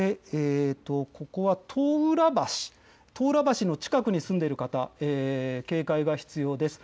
ここは東浦橋の近くに住んでいる方、警戒が必要です。